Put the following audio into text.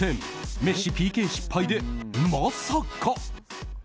メッシＰＫ失敗で、まさか。